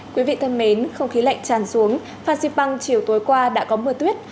quý vị thân mến không khí lạnh tràn xuống phan xịt băng chiều tối qua đã có mưa tuyết